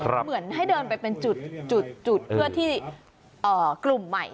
เหมือนให้เดินไปเป็นจุดเพื่อที่กลุ่มใหม่